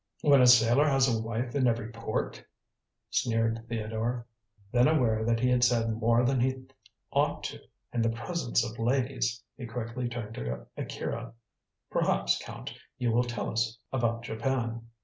When a sailor has a wife in every port!" sneered Theodore; then aware that he had said more than he ought to in the presence of ladies, he quickly turned to Akira. "Perhaps, Count, you will tell us about Japan."